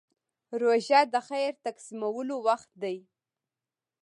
روژه د خیر تقسیمولو وخت دی.